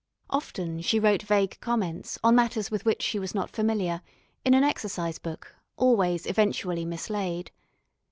Often she wrote vague comments on matters with which she was not familiar, in an exercise book, always eventually mislaid.